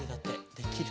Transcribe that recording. できる？